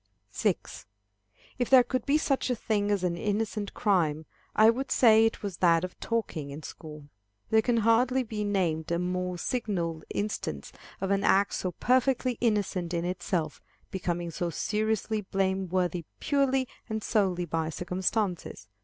6. If there could be such a thing as an innocent crime, I would say it was that of talking in school. There can hardly be named a more signal instance of an act so perfectly innocent in itself, becoming so seriously blame worthy purely and solely by circumstances.